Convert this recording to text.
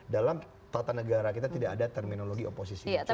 dalam tata negara kita tidak ada terminologi oposisi